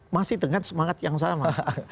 masih dengan semangat yang sama